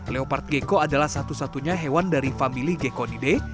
leopard gecko adalah satu satunya hewan dari famili gekonide